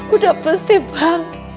udah pasti bang